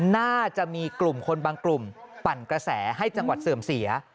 น่าจะมีกลุ่มคนบางกลุ่มปั่นกระแสให้จังหวัดเสื่อมเสีย